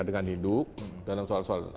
dengan hidup dalam soal soal